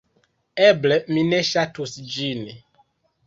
Eble, mi ne ŝatus ĝin